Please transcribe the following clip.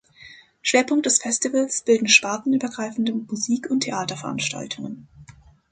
Schwerpunkt des Festivals bilden spartenübergreifende Musik- und Theaterveranstaltungen.